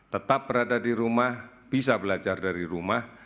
tetap berada di rumah bisa belajar dari rumah